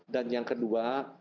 dan yang kedua